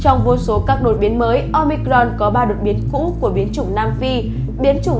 chúng ta cầncọng nói là omicron có hơn ba mươi hai đột biến được phát hiện tại protein guy